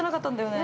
◆ね。